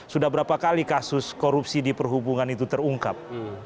sudah berapa kali kasus korupsi di perhubungan itu terungkap